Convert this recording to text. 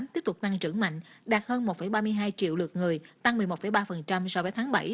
tiếp tục tăng trưởng mạnh đạt hơn một ba mươi hai triệu lượt người tăng một mươi một ba so với tháng bảy